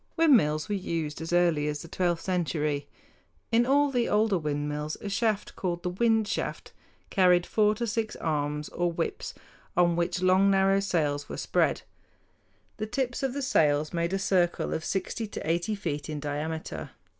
Windmills were used as early as the twelfth century. In all the older windmills a shaft called the wind shaft carried four to six arms or whips, on which long, narrow sails were spread. The tips of the sails made a circle of sixty to eighty feet in diameter.